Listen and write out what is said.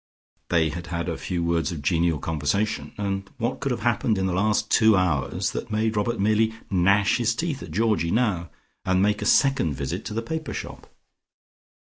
They had had a few words of genial conversation, and what could have happened in the last two hours that made Robert merely gnash his teeth at Georgie now, and make a second visit to the paper shop?